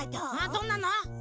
どんなの？